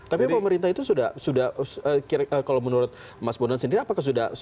tapi pemerintah itu sudah kalau menurut mas bonan sendiri apakah sudah